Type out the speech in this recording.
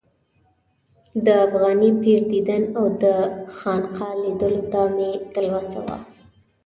د افغاني پیر دیدن او د خانقا لیدلو ته مې تلوسه وه.